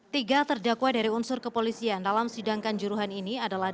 tiga terdakwa dari unsur kepolisian dalam sidang kanjuruhan ini adalah